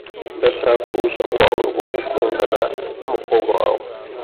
Ndashaka uruhushya rwawe rwo gukundana numukobwa wawe.